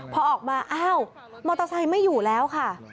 พอออกมาอ้าวมอเตอร์ไซค์ไม่อยู่แล้วค่ะ